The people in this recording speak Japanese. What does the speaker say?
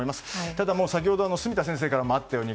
ただ、先ほどの住田先生からもあったように